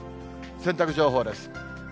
洗濯情報です。